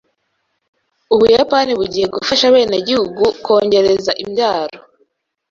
Ubuyapani bugiye gufasha abenegihugu kwongereza imbyaro